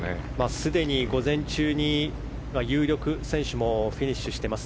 すでに午前中に有力選手もフィニッシュしています。